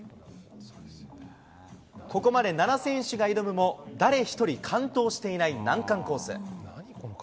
ここまで７選手が挑むも、誰一人完登していない難関コース。